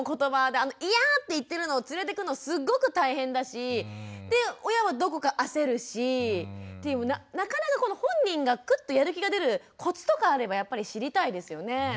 であの「いや」って言ってるのを連れてくのすっごく大変だしで親はどこか焦るしなかなか本人がクッとやる気が出るコツとかあればやっぱり知りたいですよね。